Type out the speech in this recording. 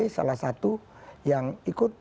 salah satu yang ikut